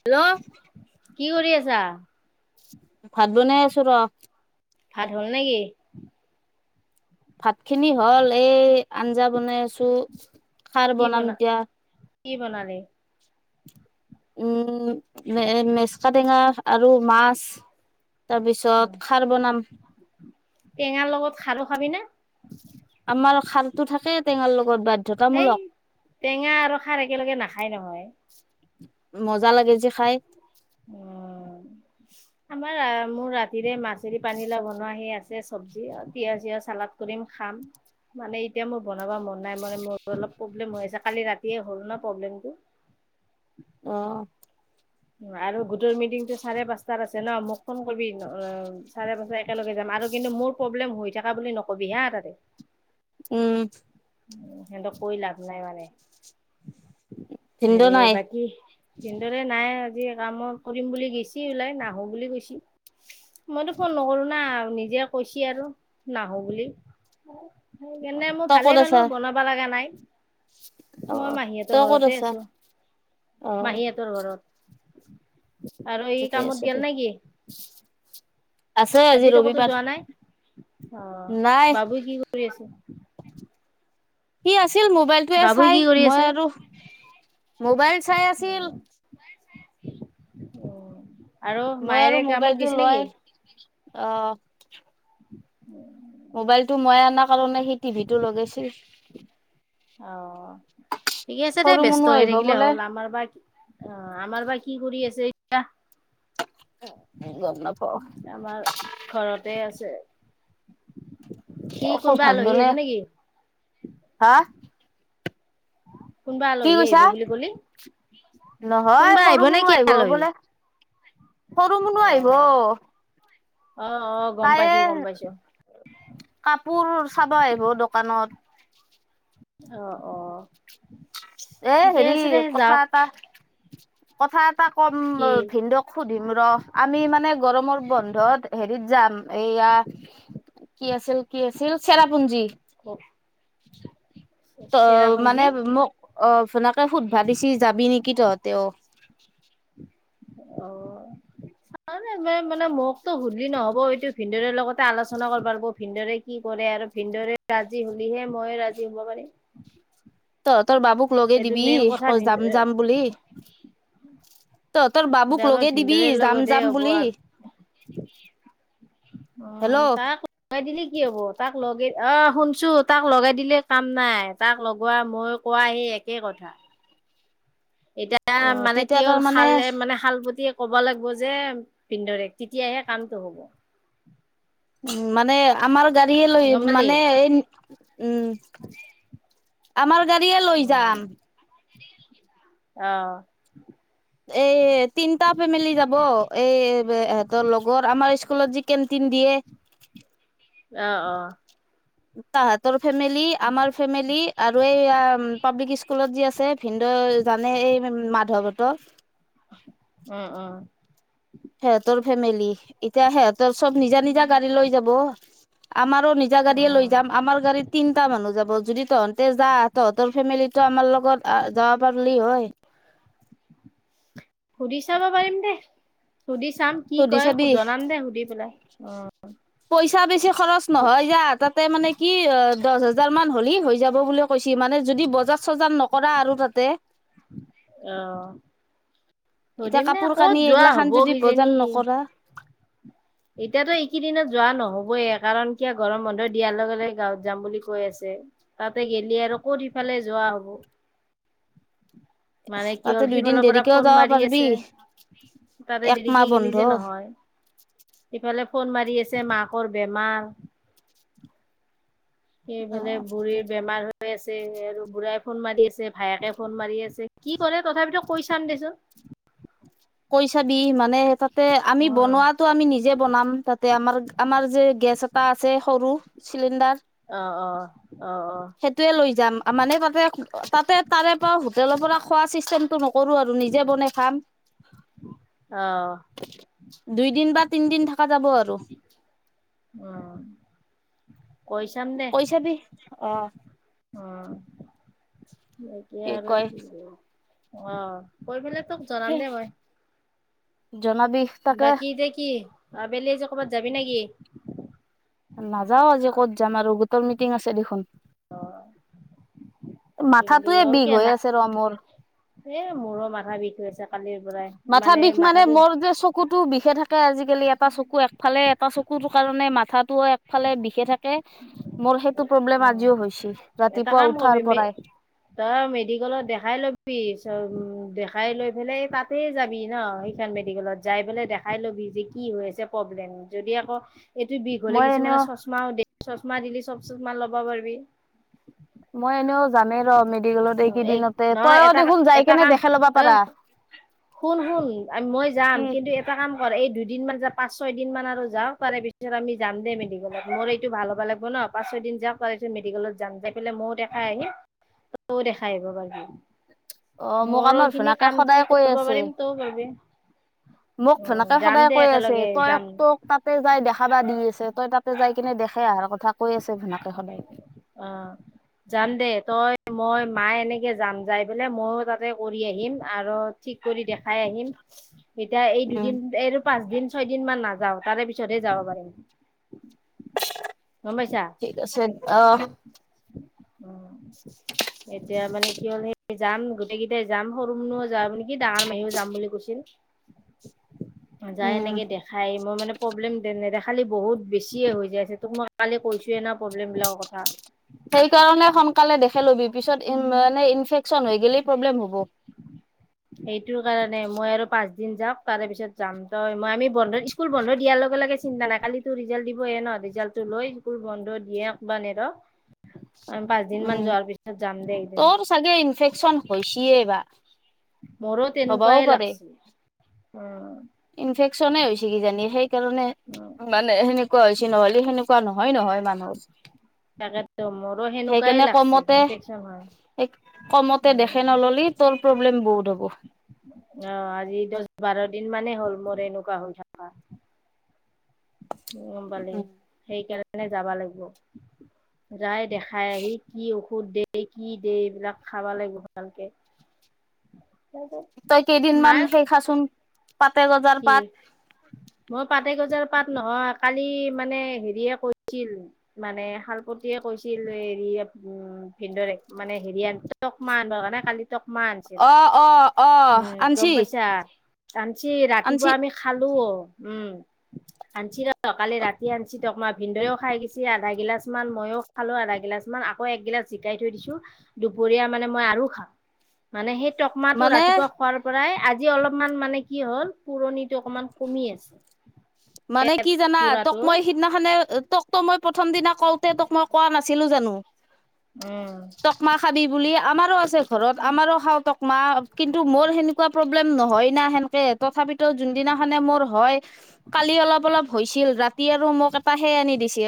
Hello কি কৰি আছা? ভাত বনাই আছো ৰ। ভাত হ'ল নেকি? ভাত খিনি হ'ল। এই আঞ্জা বনাই আছো খাৰ কি বনাম বনা এতিয়া। কি বনালি? উম এ মেচকা টেঙা আৰু মাছ। তাৰপিছত খাৰ বনাম। টেঙাৰ লগত খাৰু খাবি নে? আমাৰ খাৰটো থাকে টেঙাৰ লগত। সেই বাধ্যতামূলক টেঙা আৰু খাৰ একেলগে নাখায় নহয়। মজা লাগে যে খাই। ময় আমাৰ আ মোৰ ৰাতিৰে মাছেৰি পানী লাও বনোৱা সি আছে চব্জি। আ পিয়াজ-চিয়া চালাদ কৰিম খাম। মানে এতিয়া মোৰ বনাব মন নাই মানে, মোৰ অলপ প্ৰব্লেম হৈ আছে কালি ৰাতিয়ে হ'ল ন প্ৰব্লেমটো। [inaudible] অহ। আৰু গোটৰ মিটিংটো চাৰে পাঁচটাত আছে ন মোক ফোন কৰিবি অ চাৰে পাঁচে একেলগে যাম। আৰু কিন্তু মোৰ প্ৰব্লেম হৈ থাকা বুলি নকবি হা তাতে। উম। উ সিহঁতক কৈ লাভ নাই মানে ভিনদেউ হেৰি নাই বাকী ভিনদৰে নাই আজি কামত কৰিম বুলি গিছি ওলাই নাহো বুলি কৈছি। মইতো ফোন নকৰো না নিজে কৈছি আৰু নাহো বুলি। সেইকাৰনে মই তই ক'ত ভালে পালো আছা বনাব লগা নাই। অ মই মাহিহঁতৰ তই ক'ত ঘৰতে আছা আছো, অ মাহিহঁতৰ ঘৰত। আৰু এই ঠিকে কামত আছে দে গেল নেকি? আছে আজি আজিতো কতো ৰবিবাৰ যোৱা নাই। অ নাই বাবু কি কৰি আছে? সি আছ ছিল মোবাইলটোৱে বাবুই চাই। কি কৰি মই আছে? আৰু, মবাইল চাই আছিল। আৰু মায়েৰে কামত গিছি নেকি? অহ। [unintelligible] মোবাইলটো মই অনা কাৰণে সি টিভি টো লগাইছি। অ ঠিকে আছে দে সৰু ব্যস্ত মুনু হৈ আহিব থাকিলে বোলে হ'ল আমাৰ বা অ আমাৰ বা কি কৰি আছে এতিয়া। গম নাপাও। আমাৰ ঘৰতে আছে। কি অ কোনোবা ভাত আলহী আহিব বনাই নেকি? হা। কোনোবা কি আলহী কৈছা আহিব বুলি কলি? নহয় কোনোবা সৰু নে কোনো কি আহিব আলহী? বোলে। সৰু মনো আহিব। অ', অ', অ', গম তায়ে পাইছো গম পাইছো। কাপ। কাপোৰ চাব আহিব দোকানত। আহ অ। এ ঠিকে হেৰি আছে দে কথা যাওক এটা কথা এটা। কম কি ভিনদক সুধিম ৰ আমি মানে গৰমৰ বন্ধত হেৰিত যাম। এইয়া কি আছিল কি আছিল চেৰাপুঞ্জী। উম। ত মানে মোক। অ ভনাকে সুধ ভিছি যাবি নেকি তহঁতে অ অ মানে মতো ভুলি নহ'ব এইটো ভিনন্দৰে লগতে আলোচনা কৰিব লিব ভিনদৰে কি কৰে আৰু ভ ৰাজি হ'লহে মই ৰাজি হ'ব পাৰিম তোৰ বাবুক লগে সেইটো দিবি মেইন কথা অ ভিন যাম যাম বুলি তহ তোৰ বাবুক আমাৰ লগে দিবি ভিনদেউৰ যাম লগতহে যাম হ'ব বুলি আৰু হেল্ল' উম অ তাক লগাই দিলি কি হ'ব তাক লগে অ শুনছো তাক লগাই দিলে কাম নাই তাক লগোৱা মই কোৱা সি একে কথা এতিয়া মানে কি তেতিয়া হ'ল তাৰ মানে শাল মানে শাল ব ক'ব লাগিব যে পিন্ধৰে তেতিয়াহে কামটো হ'ব উম মানে আমাৰ গাড়ীয়ে লৈ গম পালি মানে এই উম আমাৰ গাৰিয়ে লৈ যাম আহ এই তিনটা ফেমিলি যাব এইহতৰ লগৰ আমাৰ স্কুলত যি কেট তে দিয়ে আহ আহ তাহৰ ফেমিলি আমাৰ ফেমিলি আৰু এই পাব্লিক স্কুলত য ভিন্দ জানে এই মাধৱত অ অ সিহঁতৰ ফেমিলি এতিয়া সিহঁতৰ চব নিজা নিজা গাড়ী লৈ যাব আমাৰো নিজা গাড়ীয়ে উম লৈ যাম আম গাড়ী তিনিটা মানুহ যাব যদি তহঁ ততে যা তহঁতৰ ফেমিলিটো আমাৰ লগত যাব পাৰলি হয় উৰি চাব পাৰিম দে সুধি চাম কি সুধি কয় চাবি জনাম দে সুধি পেলাই অ পইচা বেছি খৰচ নহয় যা তাতে মানে কি দহ হোজাৰ মান হ'লি হৈ যাব বুলি ক কৈছ মানে যদি বজাৰ চজাৰ নকৰা আৰু তাতে অ এতিয়া সুধিম দে কাপোৰ ক'ত কানি যোৱা হ'ব এইগিলাখান যদি বজাৰ কিজানি নকৰা এতিয়াতো এইকেইদিনত যোৱা নহবয়ে কাৰণ কিয় গৰম বন্ধ দিয়াৰ লগে লগে গাঁৱত যাম বুলি কৈ আছে তাতে গেলি আৰু কত সফালে যোৱা হব মানে কি তাতে হল দুইদিন সিফালৰ পৰা দেৰিকেও ফোন যাব মাৰি পাৰিবি আছে তাতে একমাহ দেৰিক গেলি বন্ধ যে নহয় ইফালে ফোন মাৰি আছে মাকৰ বেমাৰ অ সেইফালে বুঢ়ীৰ বেমাৰ হৈ আছে আৰু বুঢ়াই ফোন মাৰি আছে ভায়েকে ফোন মাৰি আছে কি কৰে তথাপিতো কৈ চাম দেচোন [unintelligible] কৈছাবি মানে তাতে আমি অ বনোৱাাতো আমি নিজে বনাম তাতে আমাৰ আমাৰ যে গেছ এটা আছে সৰু চিলিণ্ডাৰ অ অ অ অ সেইটোয়ে লৈ যাম মানে তাতে তাতে তাৰে পৰা হোটেলৰ পৰা খোৱা চিষ্টেমটো নকৰো আৰু নিজে যে বনাই খাম আহ দুইদিন বা তিনদিন থকা যাব আৰু অ কৈ চাম দে কৈ চাবি অ অ এাকে আৰু কি আহ কৈ পেলাই তোক জনাম দেই মই জনাবি তাকে বাকী এতিয়া কি আবেলি আহ যে কৰ'বাত যাবি নেকি নাযাও আজি ক'ত যাম আৰু গোটৰ মিটিং আছে দেখোন এই বুলি মাথাটোয়ে আৰু বিষ কে হৈ না আছে ৰ মোৰ এ মোৰো মাথা বিষ হৈছ মাথা বিষ মানে মোৰ যে চকুতো বিষে থাকে আজিকালি এটা চকু একফালে এটা চকু কুৰ কাৰণে মাথা একফালে বিষে থাকে মোৰ সেইটো অ প্ৰব্লেম আজিও হৈছে এটা ৰাতিপুৱা কাম কৰিবি উঠাৰ মে পৰাই তই মেডিকেলত দেখাই লবি চ উম দেখাই লৈ পেলাই তাতে যাবি ন সেইখন মেডিকেলত যাই পেলাই দেখাই লবি যে কি হয় প্ৰব্লেম যদি আকৌ এইটো বিষ হলে মই এনেও কিছুমানে চশমাও দ চশমা দিলি চ চশমা লব পাৰিবি মই এনেও জানেই ৰ মেডিকেলত অ এক এইকেইদিনতে নহয় তইো এটা দেখোন যাই এটা কেনে কাম দেখাই ল'বা পাৰা শুন শুন মই যাম কিন্তু এটা কাম কৰ এই দুদিন মমান য পাঁচ ছয় দিন মান আৰু যাওঁ তাৰে পিছত আমি যাম দেই মেডিকেলত মোৰ এইটো ভাল হ'ব লাগিব ন পাঁচ ছয় দিন যাওঁ প মেডিকেলত যাম যাইপেলাই ময় দেখাই আহিম তও দেখা আহিব পাৰবি অ মোক মোৰো আমাৰ খিনি ভোনাকে কামটো সদায় কৈ কৰিব আছে পাৰিম তোৰ বাবে মোক ধনাকে সদায় কৈ আছে একেলগে তই যাম তোক তাতে যাই দেখাাবা দি আছে তই তাতে যাই কিনে দেখ অহাৰ কথা কৈ আছে ভোনাকে সদায়। অ যাম দে তই মই মা এনেকে যাম যাই বোলে মইও তাতে কৰি আহিম আৰু ঠিক কৰি দেখাই আহিম এতিয়া এই উম। দুদিন আৰু পাঁচদিন ছয় দিন মান নাযাওঁ তাৰে পিছতেহ যাব পাৰিম গম পাইছা ঠিক আছে অ [inaudible] [inaudible] এতিয়া মানে কি হ'ল সেই যাম গোটেই কেইটাই যাম সৰু মনও যামে কি ডাঙৰ মাহীও যাম বুলি কৈছিল যায় উম এনেকে দেখাই মই মানে প্ৰব্লেম তেনেদ খালি বহুত বেছিয়ে হৈ যাই আছে তোক মই কালি কৈছো ন প্ৰব্লেম বিলাকৰ কথা সেইকাৰণে সোনকালে দেখে লবি পিছত মানে ইনফেকচন হৈ গই প্ৰব্লেম হ'ব সেইটো কাৰণে মই আৰু পাঁচ দিন যাম তাৰে পিছত যাম তই মই আমি বন্ধ স্কুল বন্ধ দিয়াৰ লগে লগে চিন্তা নাই কালি তু ৰিজাল্ট দিবহে ন ৰিজাল্টটো লৈ স্কুল বন্ধ দিয়ক বা নেদক আমি পাঁচদিন মান উম। যোৱাৰ পিছত যাম দে একদিন তোৰ চাগে ইনফেকচন হৈছিয়ে বা মোৰো হ'বাও তেনেকুৱাই পাৰে। লাগছে উ। নে হৈছে কি জানি সেইকাৰণে উম মানে সেনেকুৱা হৈছে নহ'লে সেনেকুৱা নহয় নহয়। মানস। তাকেতো মোৰো সেনেকুৱাই লাগিছে ইনফেকচন হয়। এক কমতে উম দেখে নললি তোৰ প্ৰব্লেম বহুত হ'ব। আহ আজি দছ বাৰ দিন মানেই হ'ল মোৰ এনেকুৱা হৈ থকা। গম পালি সেইকাৰণে যাবা লাগিব। যায় দেখাই আহি কি কুত দে কি দে এইবিলাক খাবা লাগিব ভালকে তাৰপিছত তই কেইদিনমান মাক সেই খাচোন পাতে গজাৰ পাত। পাতেগজাৰ পাত নহয় কালি মানে হেৰিয়ে কৈছিল মানে শালপতিয়ে কৈছিল হেৰি উম ভিন্দৰে মানে হেৰি আন টকমাহ আনিব কাৰণে কালি টকমা আনছিল অ অ অ উম গম আনছি পাইছা আনিছি ৰা আনছি ৰাতিপুৱা আমি খালো উম আঞ্চিৰা কালি ৰাতি আনিছি তক মই ভিনন্দদৈও খাই গিলাছ আধা গিলাচ মান ময়ো খালো আধা গিলাচ মান আকৌ এক গিলাচ জিকাই থৈ দিছো দুপৰীয়া মানে মই আৰু খাম, মানেই টকমাটো মানে ৰাতিপুৱা খোৱাৰ পৰাই আজি অলপমান মানে কি হ'ল পুৰণিটো অকমান কমি আছে মানে কি জানা তোক পুৰাটো মই সিদিনাখনে তোক তোক মই প্ৰথম দিনা কওঁতে তোক মই কোৱা না আছিলো জানো। উম। টকমা খাবি বুলি আমাৰো আছে ঘৰত আমাৰো খাওঁ টকমা কিন্তু মোৰ সেনেকুৱা প্ৰব্লেম নহয় না সেনেকে তথাপিতো যোন সদিনাখানে মোৰ হয় কালি অলপ অলপ হৈছিল ৰাতি আৰু মোক এটা সেই আনি দিছিল।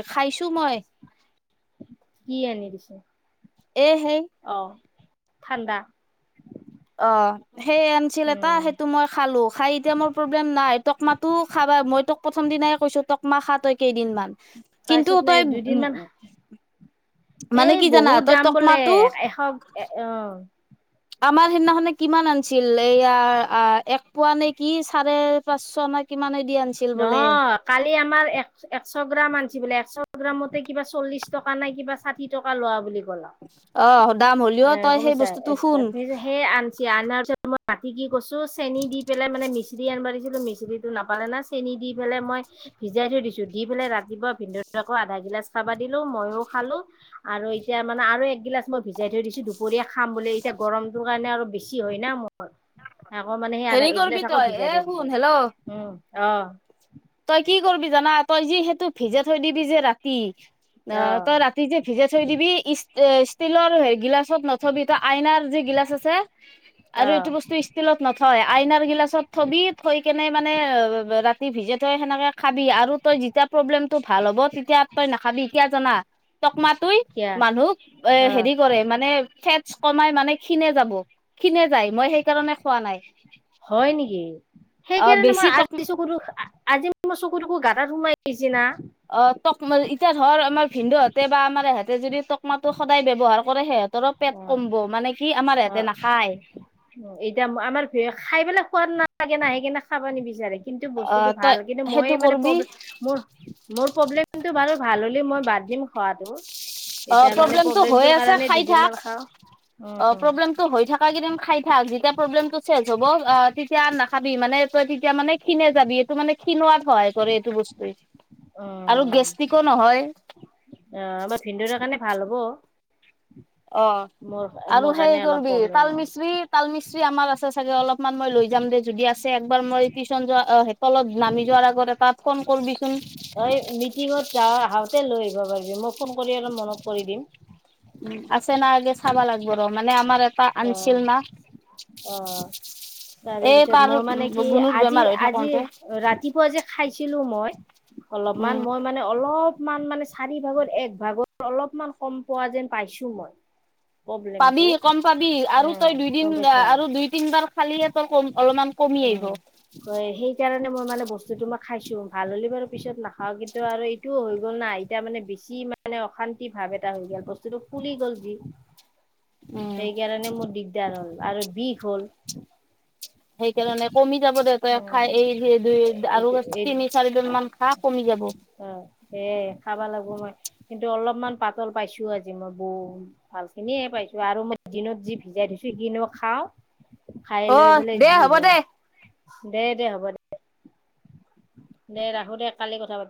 কি আনি দিছে? এহেই অ ঠাণ্ডা অ সেই এনচিল এটা উম সেইটো মই খালো খাই এতিয়া মোৰ প্ৰব্লেম নাই তোক মাতো খাবা মই তোক প্ৰথম কি নাই কৈছো তক মা খা তই কেইদিনমান কিন্তু তাৰপিছত নাই তই দুদিন উম মান এই বহুত দাম বোলে টকমাটো এশ এ অ আমাৰ সিদিনাখনে কিমান আনিছিল এইয়াৰ এক পোৱা নে কি চাৰে পাঁচশ নে কিমান। নহ কালি আমাৰ এক একশ গ্ৰাম আঞ্চ বোলে একশ। গ্ৰামতে কিবা চল্লিশ টকা নাই কিবা সাথী টকা লোৱা বুলি ক। অ দাম হ'লেও তই গম সেই পাইছা বস্তুটো শুন সেই আনছ আনাৰ পিছত। মই মাতি কি কছো চেনি দি পেলাই মানে মিচিৰি আনবাৰিছিলো মিচৰিটো নাপালে না। চেনি দি পেলাই মই ভিজাই থৈ দিছো দি পেলাই ৰাতিপুৱা ভিন্ধ আকৌ আধা গিলাচ চাবা দিলো মইো। খালো আৰু এতিয়া মানে আৰু একগিলাচ মই ভিজাই থৈ দিছো দুপৰীয়া খাম বুলিো এতিয়া গৰমটোৰ কাৰণে আৰু। বেছি হয় ন মোৰ আকৌ মানে সেই আধা হেৰি এগিলাচ কৰিবি আকৌ তই ভিজাই এ থৈ দিছ শুন হেল্ল' উম। অ। তই কি কৰিবি জানা তই যি সেইটো ভিজে থৈ দিবি যে ৰাতি। অ তই ৰাতি যে ভিজাই থৈ দিবি ষ্টীলৰ হেৰি গিলাচ। ছত নথবি ত আইনাৰ যি গিলাচ আছে। অ আৰু এইটো বস্তু ষ্টিলত নথয় আইনাৰ গিলাচত থবি থৈ কেনে মানে ৰা। ভিজে থই সেনেকে খাবি আৰু তই যেতিয়া প্ৰব্লেমতটো ভাল হ'ব তেতিয়া তই নাখাবি কিয় জানা। টকমাতই কিয়া মানুহ এ অ হেৰি কৰে মানে ফেটচ কমাই মানে। কিণে যাব কিণে যায় মই সেইকাৰণে খোৱা নাই। হয় নেকি অ সেইকাৰণে বেছি মই টক আজিছ আজি। মই চকু তকু গাাত সোমাই আহিছো। অ টকমা এতিয়া ধৰ আমাৰ ভিনদুহঁতে বা আমাৰ ইহতে যদি টকমাটো সদায় ব্যৱহাৰ কৰে সিহঁ। তৰ পেট অ কম্ব মানে কি আমাৰ ইিহতে নাখায়। উ এতিয়া আমাৰ খাই পেলাই খোৱাদ নাই। লাগে ন সেই কিনে খাবা নিবিচাৰে কিন্তু অ বস্তুতটো তই ভাল কিন্তু মই সেইটো মানে কৰবি প্ৰ্লেম মোৰ মোৰ। প্ৰব্লেমটো বাল ভাল হ'লে মই বাদ দিম খোৱাটো। অ এতিয়া মানে প্ৰব্লেমটো হৈ প্ৰব্লেমটোৰ আছে কাৰণে খাই দুদিন থাক মান খাওঁ। অ প্ৰব্লেমটো হৈ থাক কেইদিন খায় থাক যেতিয়া প্ৰব্লেমটো চেজ হব অ তেতিয়া না খাবি মানে তই তেতিয়া মানে খিনাই যাবি এইটো মানে খিনোৱাত সহায় কৰে এইটো বস্তুৱে, অ আৰু গেষ্টিকো নহয়। অ আমাৰ ভিনন্দৰা কাৰণে ভাল হ'ব। অ মোৰ আৰু মোৰ সেই কাৰণে অলপ কৰবি প্ৰব্লেম তাল মিচ্ৰী তাল মিচ্ৰী আমাৰ আছে চাগে অলপ মান মই লৈ যাম দে যদি আছে এবাৰ মই টিশচন যোৱা তলত নামি যোৱাৰ আগত এপাক অ মিটিংত যা অহা ত লৈ আহিব পাৰিবি মই ফোন কৰি অলপ মনত কৰি দিম। উ আছে না আগে চাবা লাগব ৰ, মানে আমাৰ এটা আনছিল না। অহ। এই তাৰেপিছত তাৰ মই মানে কি গুণুৰ আজি বেমাৰ হৈ আজি থাকোতে ৰাতিপুৱা যে খাইছিলো মই অলপমান উম মই মানে অলপ অলপমান মানে চাৰি ভাগত এক ভাগত অলপমান কম পোৱা যেন পাইছো মই পাবি প্ৰব্লেমটো। কম পাবি আৰু উম তই গম দুইদিন পাইছা আৰু দুই তিন বাৰ খালি তই অলপমান কমি আহিব। হয় সেই সেইকাৰণে মই মানে বস্তুটো মই খাইছো, ভাল হ'লে বাৰু পিছত নাখাওঁ কিন্তু আৰু এইটোও হৈ গ'ল না এতিয়া মানে বেছ ছি মানে অশান্তি ভাৱ এটা হৈ গেল বস্তুটো ফুলি গ'ল যি। উম। সেইকাৰণে মোৰ দিগদাৰ হ'ল আৰু বিষ হ'ল। সেইকাৰণে কমি যাব দে, তই উম খাই এই সেই দুই আৰু এইটো এই তিনি চাৰি দিন মান খা কমি যাব। অ এ খাবা লাগিব। কিন্তু অলপমান পাতল পাইছো আজি মই বহুত ভাল খিনিয়ে পাইছো আৰু মই দিনত যি ভিজাই থৈছোঁ সেইখিনি মই খাও। অ, দে হব দে। দে-দে হ'ব দে। দে ৰাখো দে কালি কথা পাতিম।